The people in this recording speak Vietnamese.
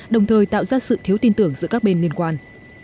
đồng thời tạo ra sự thiếu tin tưởng giữa các bên liên quan